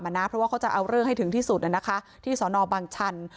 เพราะว่าเขาจะเอาเรื่องให้ถึงที่สุดที่สนบางชัน